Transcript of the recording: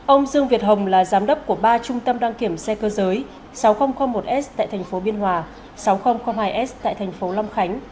ông dương việt hồng là giám đốc của ba trung tâm đăng kiểm xe cơ giới sáu nghìn một s tại tp biên hòa sáu nghìn hai s tại tp long khánh